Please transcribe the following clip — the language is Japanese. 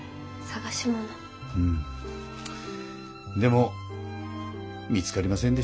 うんでも見つかりませんでした。